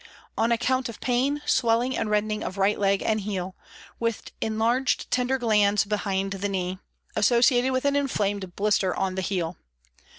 on account of pain, swelling and reddening of right leg and heel ; with enlarged tender glands behind the knee, associated with an inflamed blister on the heel.